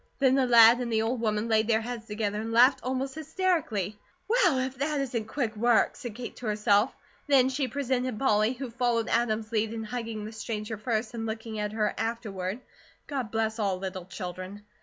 Then the lad and the old woman laid their heads together and laughed almost hysterically. "WELL, IF THAT ISN'T QUICK WORK!" said Kate to herself. Then she presented Polly, who followed Adam's lead in hugging the stranger first and looking at her afterward. God bless all little children.